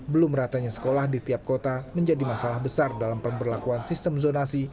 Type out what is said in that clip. belum ratanya sekolah di tiap kota menjadi masalah besar dalam pemberlakuan sistem zonasi